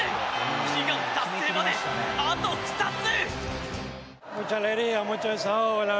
悲願達成まであと２つ！